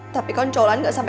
tapi kan cowoknya gak sama